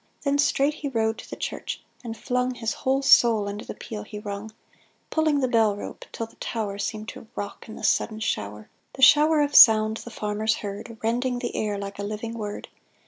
Then straight he strode to the church, and flung His whole soul into the peal he rung ; Pulling the bell rope till the tower Seemed to rock in the sudden shower — The shower of sound the farmers heard. Rending the air like a living word